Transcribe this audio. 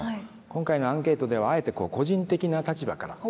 今回のアンケートではあえて個人的な立場からということで。